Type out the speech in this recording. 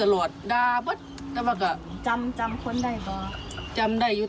เข้าไม่ได้หรอกต้องเอาทีมออกค่ะ